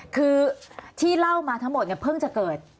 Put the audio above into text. คือที่เล่ามาทั้งหมดเนี่ยเพิ่งจะเกิด